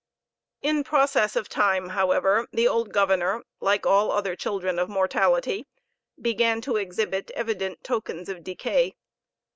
In process of time, however, the old governor, like all other children of mortality, began to exhibit evident tokens of decay.